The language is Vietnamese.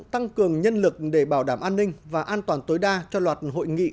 tăng cường nhân lực để bảo đảm an ninh và an toàn tối đa cho loạt hội nghị